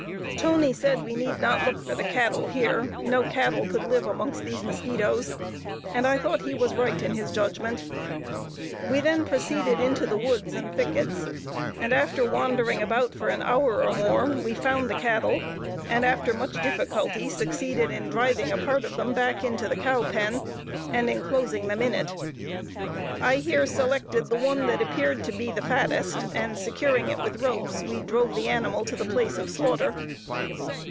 Toney said, we need not look for the cattle here; no cattle could live amongst these musquitos, and I thought he was right in his judgment. We then proceeded into the woods and thickets, and after wandering about for an hour or more, we found the cattle, and after much difficulty succeeded in driving a part of them back to the cow pen, and enclosing them in it. I here selected the one that appeared to me to be the fattest, and securing it with ropes, we drove the animal to the place of slaughter.